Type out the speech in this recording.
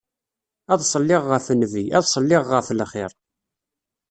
Ad ṣelliɣ ɣef Nnbi, ad ṣelliɣ ɣef lxir.